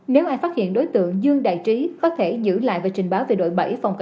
nếu ai phát hiện đối tượng dương đại trí có thể giữ lại về trình báo